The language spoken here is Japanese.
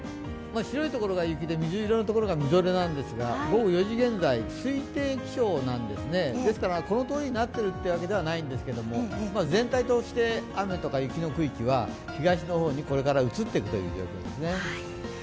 白いところが雪で水色のところがみぞれなんですが午後４時現在、推定気象なんですね、ですからこのとおりになっているわけではないんですけれども、全体として雨とか雪の区域は東の方にこれから移っていくという状況ですね。